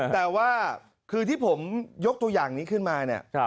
แต่ว่าคือที่ผมยกตัวอย่างนี้ขึ้นมาเนี่ย